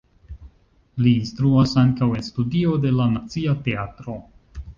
Li instruas ankaŭ en studio de la Nacia Teatro.